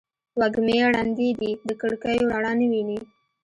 وږمې ړندې دي د کړکېو رڼا نه ویني